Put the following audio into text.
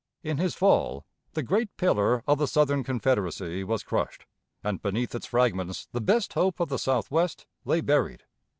In his fall the great pillar of the Southern Confederacy was crushed, and beneath its fragments the best hope of the Southwest lay buried.